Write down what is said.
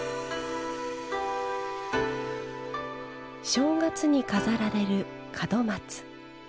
正月に飾られる門松。